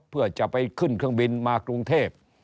เพื่อจะไปขึ้นเครื่องบินมากรุงเทพ